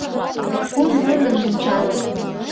Кум муным мунчалын.